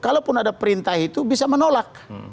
kalau pun ada perintah itu bisa menolak